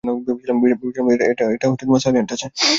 ভেবেছিলাম এটা সাইলেন্টে আছে।